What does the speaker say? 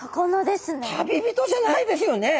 旅人じゃないですよね。